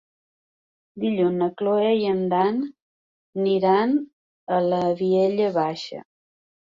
Dilluns na Cloè i en Dan aniran a la Vilella Baixa.